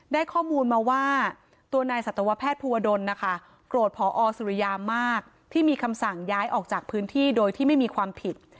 ได้ข้อมูลมาว่าตัวนายสัตวแพทย์ภูวดลนะคะโกรธพอสุริยามากที่มีคำสั่งย้ายออกจากพื้นที่โดยที่ไม่มีความผิด